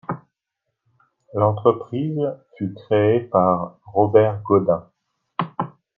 L'entreprise fut créée par Robert Godin.